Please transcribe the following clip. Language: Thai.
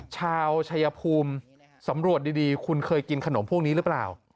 ชายภูมิสำรวจดีคุณเคยกินขนมพวกนี้หรือเปล่า